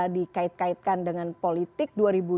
dikait kaitkan dengan politik dua ribu dua puluh